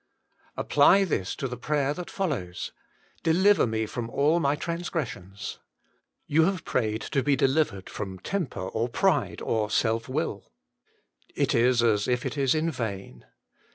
Apply this to the prayer that follows :* De liver me from all my transgressions.* You have prayed to be delivered from temper, or pride, or self wilL It is as if it is in vain.